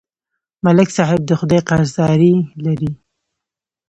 ملک صاحب د خدای قرضداري لري